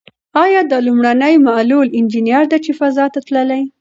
ایا دا لومړنۍ معلول انجنیر ده چې فضا ته تللې؟